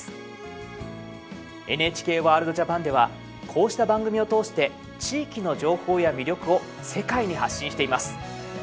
ＮＨＫワールドＪＡＰＡＮではこうした番組を通して地域の情報や魅力を世界に発信しています。